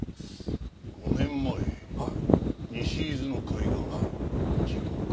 ５年前西伊豆の海岸事故か。